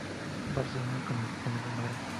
Barcelona y en el Real Madrid.